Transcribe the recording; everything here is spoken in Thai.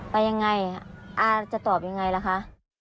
ไปยังไงอาจะตอบยังไงล่ะคะ